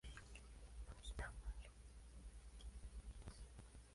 Nuestros sentimientos nos conducirán a ideas y luego a acciones.